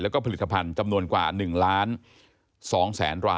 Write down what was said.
แล้วก็ผลิตภัณฑ์จำนวนกว่า๑๒๐๐๐๐๐รายนะฮะ